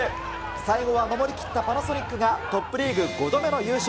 最後は守り切ったパナソニックがトップリーグ５度目の優勝。